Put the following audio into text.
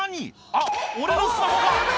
あっ俺のスマホが！」